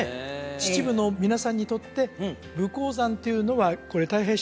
秩父の皆さんにとって武甲山っていうのはこれたい平師匠